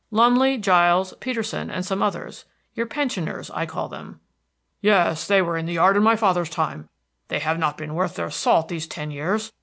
"Lumley, Giles, Peterson, and some others, your pensioners, I call them." "Yes, they were in the yard in my father's time; they have not been worth their salt these ten years.